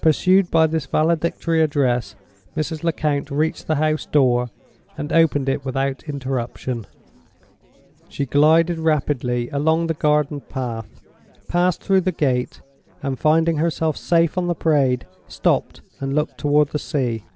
Pursued by this valedictory address, Mrs. Lecount reached the house door, and opened it without interruption. She glided rapidly along the garden path, passed through the gate, and finding herself safe on the Parade, stopped, and looked toward the sea.